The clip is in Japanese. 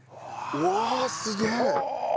うわすげえ！はあ